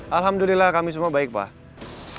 alhamdulillah kami semua baik pak